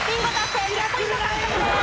１０ポイント獲得です。